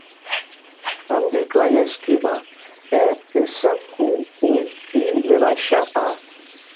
Em dic Laia Esquiva: e, essa, cu, u, i, ve baixa, a.